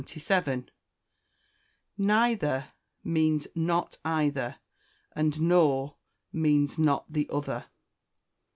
Neither means not either; and nor means not the other.